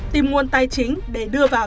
tìm nguồn tài chính để đưa vào